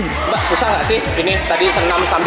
gak sih gak susah gak ada spesifikasi